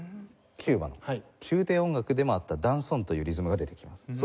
キューバの宮廷音楽でもあったダンソンというリズムが出てきます。